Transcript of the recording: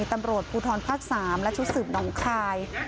ตำรวจภูทรภาค๓และชุดสืบหนองคาย